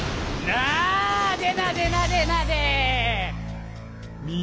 なでなでなでなで。